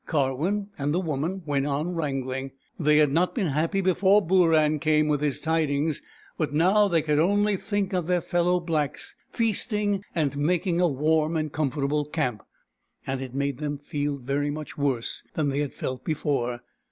Karwin and the woman went on wrangling. They had not been happy before Booran came with his tidings ; but now they could only think of their fellow blacks feasting and making a warm and comfortable camp, and it made them feel very much worse than they had felt before.